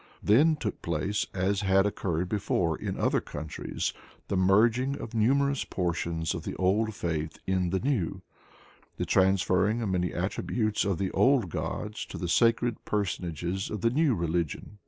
Then took place, as had occurred before in other countries, the merging of numerous portions of the old faith in the new, the transferring of many of the attributes of the old gods to the sacred personages of the new religion.